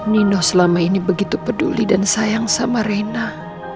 nino selama ini begitu peduli dan sayang sama rena